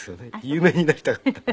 有名になりたかった。